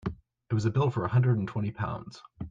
It was a bill for a hundred and twenty pounds.